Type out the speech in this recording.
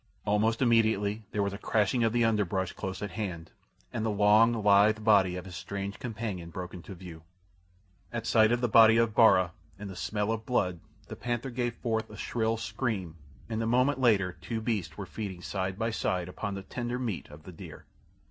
Almost immediately there was a crashing of the underbrush close at hand, and the long, lithe body of his strange companion broke into view. At sight of the body of Bara and the smell of blood the panther gave forth a shrill scream, and a moment later two beasts were feeding side by side upon the tender meat of the deer.